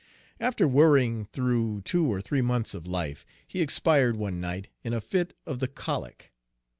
After worrying through two or three months of life, he expired one night in a fit of the colic.